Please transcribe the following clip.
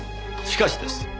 しかしです